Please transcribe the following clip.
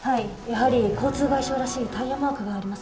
やはり交通外傷らしいタイヤマークがありますね。